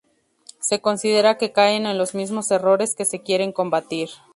Se considera que caen en los mismos errores que se quieren combatir.